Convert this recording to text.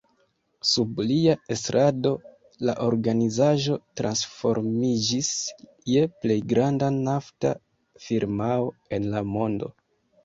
Sub lia estrado la organizaĵo transformiĝis je plej granda nafta firmao en la mondo.